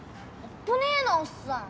危ねぇなおっさん。